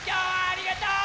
ありがとう！